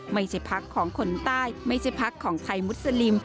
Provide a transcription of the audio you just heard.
ไม่ใช่พักของคนใต้ไม่ใช่พักของไทยมุสลิม